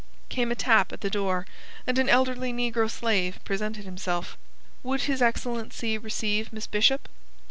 Came a tap at the door, and an elderly negro slave presented himself. Would his excellency receive Miss Bishop?